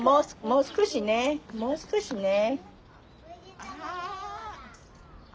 もう少しねもう少しね。